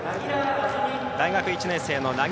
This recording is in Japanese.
大学１年生の柳樂。